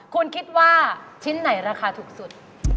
คุณคิดว่าชิ้นไหนราคาถูกสุด